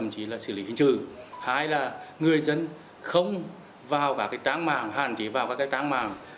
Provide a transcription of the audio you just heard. chứ hai là người dân không vào cả trang mạng hạn chế vào các trang mạng